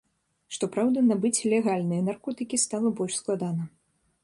Што праўда, набыць легальныя наркотыкі стала больш складана.